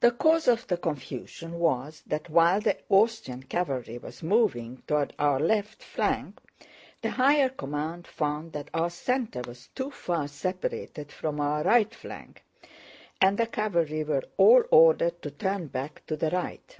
The cause of the confusion was that while the Austrian cavalry was moving toward our left flank, the higher command found that our center was too far separated from our right flank and the cavalry were all ordered to turn back to the right.